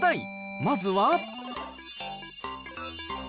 まずは。